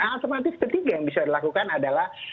alternatif ketiga yang bisa dilakukan adalah